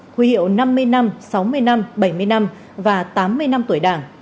huy hiệu năm mươi năm sáu mươi năm bảy mươi năm và tám mươi năm tuổi đảng